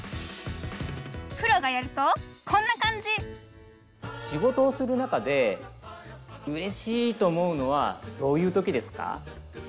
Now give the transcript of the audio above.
プロがやるとこんな感じ仕事をする中でうれしいと思うのはどういう時ですか？